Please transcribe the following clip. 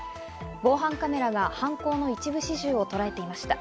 防犯カメラが犯行の一部始終をとらえていました。